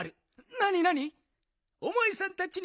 なになに？